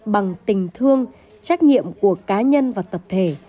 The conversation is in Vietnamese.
bằng tình thương trách nhiệm của cá nhân và tập thể